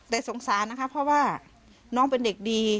แต่สงสารนะคะเพราะว่าน้องเป็นเด็กดี